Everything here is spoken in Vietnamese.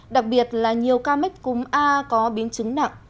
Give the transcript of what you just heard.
đặc biệt là nhiều ca mắc cúm a có biến chứng nặng